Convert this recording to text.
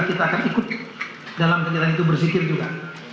kita akan ikut dalam kegiatan itu berfikir juga